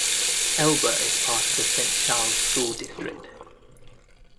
Elba is part of the Saint Charles School District.